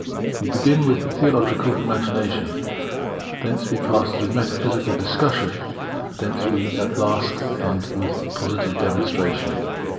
We begin with theological Imagination, thence we pass through metaphysical Discussion, and we end at last with positive Demonstration.